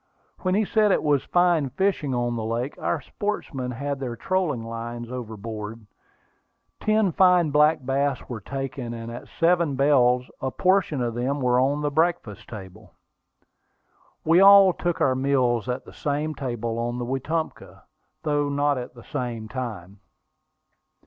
When he said it was fine fishing in the lake, our sportsmen had their trolling lines overboard. Ten fine black bass were taken; and at "seven bells," a portion of them were on the breakfast table. We all took our meals at the same table on the Wetumpka, though not at the same time.